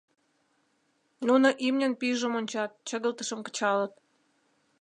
Нуно имньын пӱйжым ончат, чыгылтышым кычалыт.